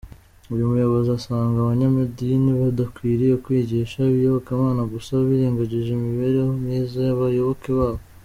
Uyu muyobozi asanga abanyamadini badakwiriye kwigisha iyobokamana gusa, birengagije imibereho myiza y’abayoboke babo.